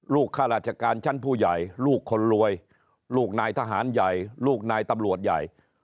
ข้าราชการชั้นผู้ใหญ่ลูกคนรวยลูกนายทหารใหญ่ลูกนายตำรวจใหญ่